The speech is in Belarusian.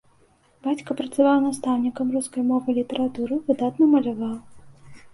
Бацька працаваў настаўнікам рускай мовы і літаратуры, выдатна маляваў.